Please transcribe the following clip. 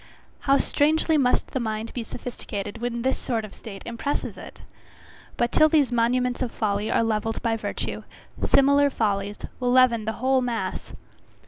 How strangely must the mind be sophisticated when this sort of state impresses it! But till these monuments of folly are levelled by virtue, similar follies will leaven the whole mass.